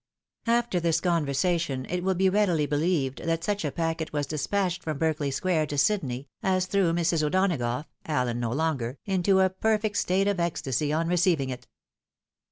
After this conversation, it will be readily believed that such a packet was despatched from Berkeley square to Sydney, as threw Mrs. O'Donagough (Allen no longer) into a perfect state of ecstasy on receiving it.